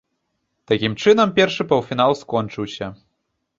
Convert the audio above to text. Такім чынам першы паўфінал скончыўся.